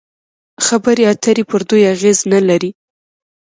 خبرې اترې پر دوی اغېز نلري.